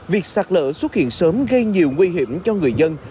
việc sạt lở xuất hiện sớm gây nhiều nguy hiểm cho người dân